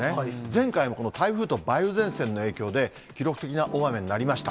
前回も、この台風と梅雨前線の影響で、記録的な大雨になりました。